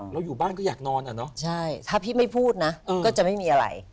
อยู่บ้านก็อยากนอนอ่ะเนอะใช่ถ้าพี่ไม่พูดนะก็จะไม่มีอะไร